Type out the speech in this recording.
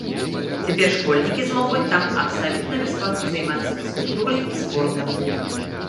Цяпер школьнікі змогуць там абсалютна бясплатна займацца фізкультурай і спортам.